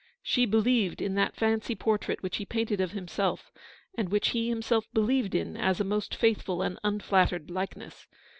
She believed in that fancy portrait which he painted of himself, and which he himself believed in as a most faithful and unflattered likeness.